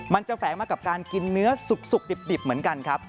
แฝงมากับการกินเนื้อสุกดิบเหมือนกันครับ